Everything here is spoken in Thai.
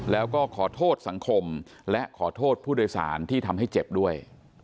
แล้วก็ขอโทษสังคมและขอโทษผู้โดยสารที่ทำให้เจ็บด้วย